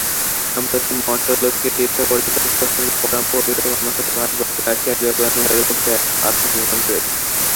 সম্প্রতি মর্ত্যলোকীয় তীর্থপর্যটন প্রসঙ্গে পরম পবিত্র কর্মক্ষেত্র ভারতবর্ষে আসিয়া যোগানুষ্ঠানবাসনায় এক আশ্রম নির্মাণ করিয়াছি।